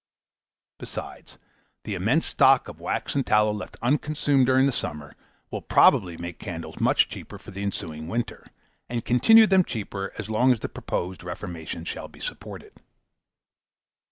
Besides, the immense stock of wax and tallow left unconsumed during the summer, will probably make candles much cheaper for the ensuing winter, and continue them cheaper as long as the proposed reformation shall be supported.